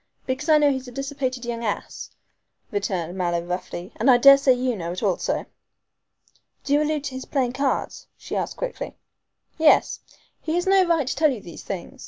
"Because I know he's a dissipated young ass," returned Mallow roughly; "and I daresay you know it also." "Do you allude to his playing cards?" she asked quickly. "Yes. He has no right to tell you these things.